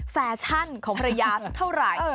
ฟาชั่นของภรรยาสุดเท่าไร